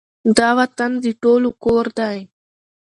دا وطــن د ټولو کـــــــــــور دی